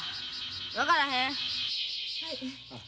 分からへん。